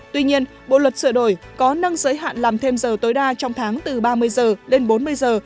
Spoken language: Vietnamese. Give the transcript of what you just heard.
tuy nhiên bộ luật sửa đổi có nâng giới hạn làm thêm giờ tối đa trong tháng từ ba mươi giờ lên bốn mươi giờ